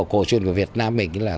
cổ truyền của việt nam mình là